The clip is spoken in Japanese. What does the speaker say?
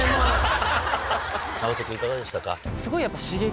永瀬君いかがでしたか？